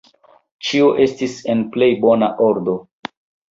Ĉio estis en plej bona ordo.